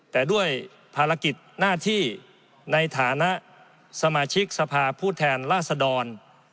แต่ด้วยภารกิจหน้าที่ในฐานะสมาชิกสภาพผู้แทนราษดร